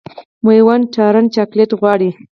مېوند تارڼ چاکلېټ غواړي.